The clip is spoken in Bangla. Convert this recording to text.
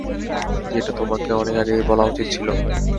যেটা তোমাকে অনেক আগেই বলা উচিত ছিলো।